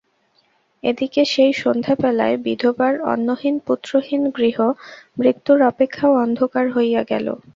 এদিকে সেই সন্ধ্যাবেলায় বিধবার অন্নহীন পুত্রহীন গৃহ মৃত্যুর অপেক্ষাও অন্ধকার হইয়া গেল।